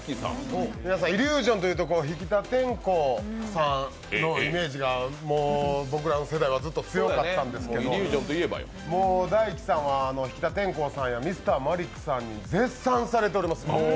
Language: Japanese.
皆さんイリュージョンというと引田天功さんのイメージが僕らの世代はずっと強かったんですけど、ＤＡＩＫＩさんは引田天功さんやＭｒ．マリックさんに絶賛されています。